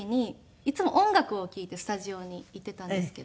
いつも音楽を聴いてスタジオに行っていたんですけど。